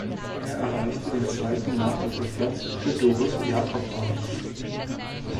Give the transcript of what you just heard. Er erreichte den zweiten Nachrückerplatz für Doris Jakobsen.